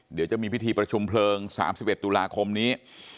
เดี๋ยวจะมีพิธีประชุมเพลิง๓๑ตุลาคมนี้